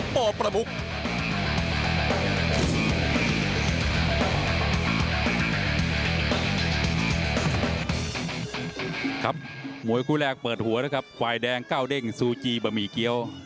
มวยคู่แรกเปิดหัวนะครับควายแดงเก้าเด้งซูจีบะหมี่เกี้ยว